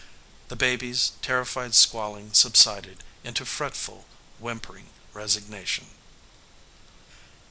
The baby's terrified squalling subsided into fretful, whimpering resignation.